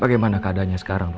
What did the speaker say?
bagaimana keadanya sekarang dok